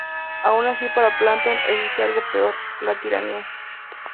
Aun así para Platón existe algo peor: la tiranía.